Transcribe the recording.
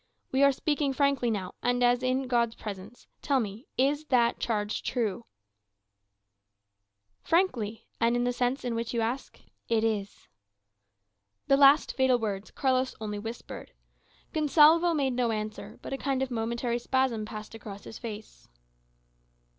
We are speaking frankly now, and as in God's presence. Tell me, it that charge true?" "Frankly, and in the sense in which you ask it is." The last fatal words Carlos only whispered. Gonsalvo made no answer; but a kind of momentary spasm passed across his face.